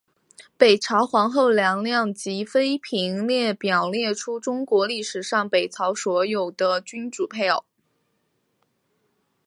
北朝皇后及妃嫔列表列出中国历史上北朝所有的君主配偶。